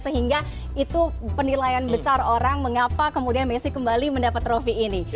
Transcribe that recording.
sehingga itu penilaian besar orang mengapa kemudian messi kembali mendapat trofi ini